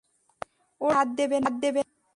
ওর গায়ে হাত দেবে না!